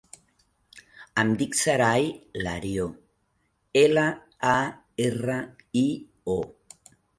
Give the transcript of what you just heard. Em dic Saray Lario: ela, a, erra, i, o.